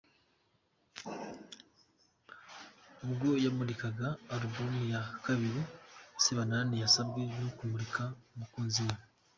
Ubwo yamurikaga Alubumu ya kabiri, Sebanani yasabwe no kumurika umukunzi we